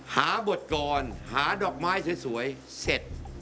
หาบทกรหาดอกไม้สวยเสร็จ